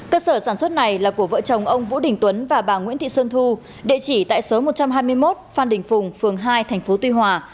cơ sở sản xuất này là của vợ chồng ông vũ đình tuấn và bà nguyễn thị xuân thu địa chỉ tại số một trăm hai mươi một phan đình phùng phường hai tp tuy hòa